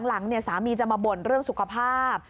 หลังสามีจะมาบ่นเรื่องสุขภาพ